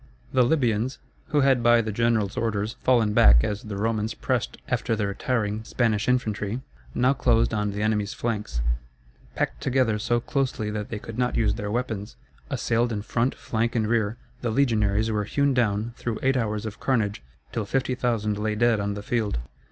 The Libyans, who had by the general's orders fallen back as the Romans pressed after the retiring Spanish infantry, now closed on the enemy's flanks. Packed together so closely that they could not use their weapons, assailed in front, flank, and rear, the legionaries were hewn down through eight hours of carnage, till 50,000 lay dead on the field.